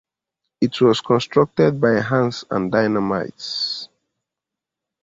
It was constructed by hands and dynamites.